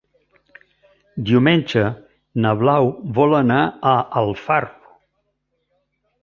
Diumenge na Blau vol anar a Alfarb.